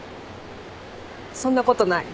そんなことない。